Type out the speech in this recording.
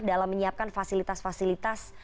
dalam menyiapkan fasilitas fasilitas